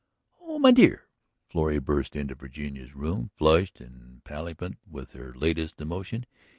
"Oh, my dear!" Florrie burst into Virginia's room, flushed and palpitant with her latest emotion.